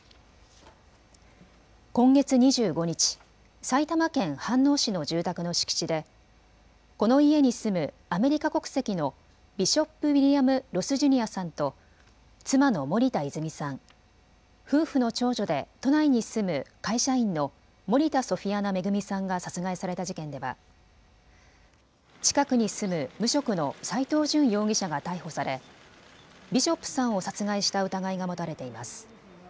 今月２５日、埼玉県飯能市の住宅の敷地でこの家に住むアメリカ国籍のビショップ・ウィリアム・ロス・ジュニアさんと妻の森田泉さん、夫婦の長女で都内に住む会社員の森田ソフィアナ恵さんが殺害された事件では近くに住む無職の斎藤淳容疑者が逮捕されビショップさんを殺害した疑いが持たれています。